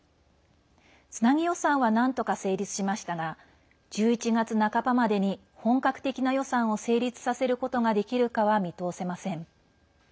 つなぎ予算はなんとか成立しましたが１１月半ばまでに本格的な予算を成立させることができるかは見通せません。